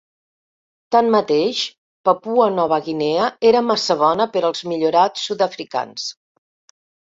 Tanmateix, Papua Nova Guinea era massa bona per als millorats sud-africans.